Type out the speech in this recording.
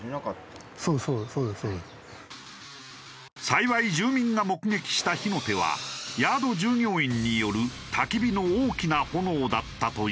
幸い住民が目撃した火の手はヤード従業員による焚き火の大きな炎だったというが。